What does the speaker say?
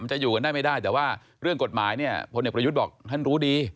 จะอยู่กันได้ไม่ได้แต่ว่าเรื่องกฎหมายเนี่ยพลเอกประยุทธ์บอกท่านรู้ดี